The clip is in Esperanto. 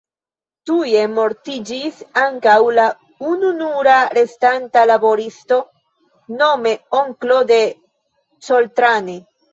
Tuje mortiĝis ankaŭ la ununura restanta laboristo, nome onklo de Coltrane.